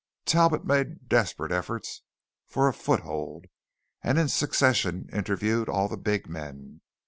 Talbot made desperate efforts for a foothold, and in succession interviewed all the big men.